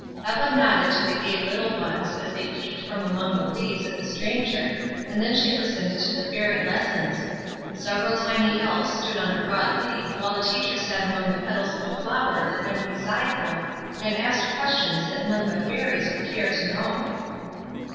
Eva nodded to the gay little ones, as they peeped from among the leaves at the stranger, and then she listened to the Fairy lessons. Several tiny Elves stood on a broad leaf while the teacher sat among the petals of a flower that bent beside them, and asked questions that none but Fairies would care to know.